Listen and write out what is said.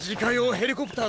ヘリコブター。